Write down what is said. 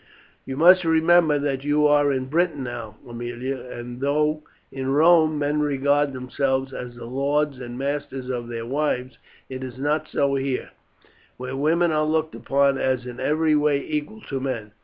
"You must remember that you are in Britain now, Aemilia, and though in Rome men regard themselves as the lords and masters of their wives it is not so here, where women are looked upon as in every way equal to men.